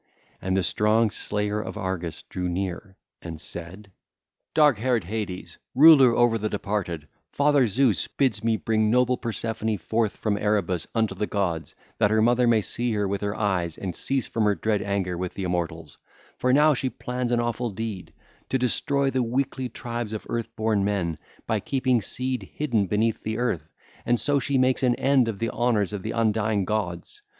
And the strong Slayer of Argus drew near and said: (ll. 347 356) 'Dark haired Hades, ruler over the departed, father Zeus bids me bring noble Persephone forth from Erebus unto the gods, that her mother may see her with her eyes and cease from her dread anger with the immortals; for now she plans an awful deed, to destroy the weakly tribes of earthborn men by keeping seed hidden beneath the earth, and so she makes an end of the honours of the undying gods.